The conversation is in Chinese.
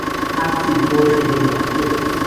它寄托是一个团队